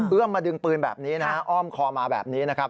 เอื้อมมาดึงปืนแบบนี้อ้อมคอมาแบบนี้